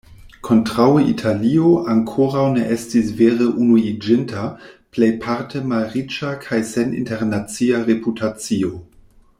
Kontraŭe Italio ankoraŭ ne estis vere unuiĝinta, plejparte malriĉa kaj sen internacia reputacio.